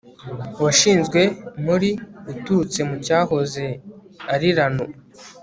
washinzwe muri uturutse mu cyahoze ari ranu